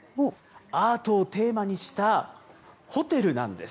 アートをテーマにしたホテルなんです。